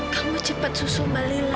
kamu cepet susu mba lila